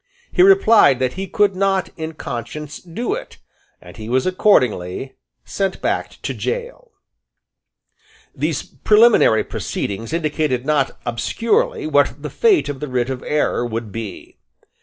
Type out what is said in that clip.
He replied that he could not in conscience do it; and he was accordingly sent back to gaol, These preliminary proceedings indicated not obscurely what the fate of the writ of error would be.